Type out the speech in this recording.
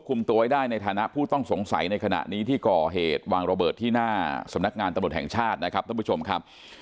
สำนักงานตะบดแห่งชาตินะครับท่านผู้ชมครับ